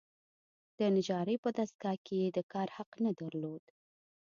د نجارۍ په دستګاه کې یې د کار حق نه درلود.